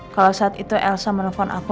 kalau saat itu elsa menelpon aku